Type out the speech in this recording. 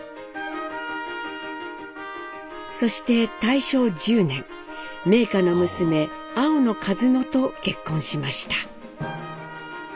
そして大正１０年名家の娘青野カズノと結婚しました。